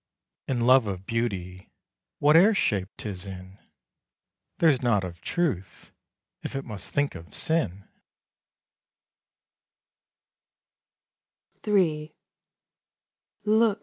In love of Beauty, whate'er shape 'tis in, There's nought of Truth, if it must think of sin.